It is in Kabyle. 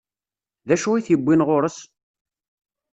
D acu i t-iwwin ɣur-s?